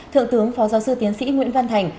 thượng tướng phó giáo sư tiến sĩ nguyễn văn thành